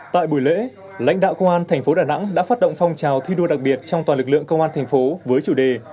tại buổi lễ lãnh đạo công an tp đà nẵng đã phát động phong trào thi đua đặc biệt trong toàn lực lượng công an tp với chủ đề